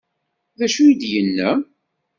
D acu i d-yenna?